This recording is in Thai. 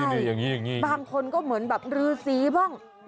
ใช่บางคนก็เหมือนแบบรื้อสีบ้าง